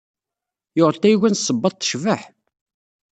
Yuɣ-d tayuga n ṣṣebaḍ tecbeḥ!